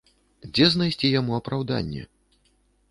Дзе знайсці яму апраўданне?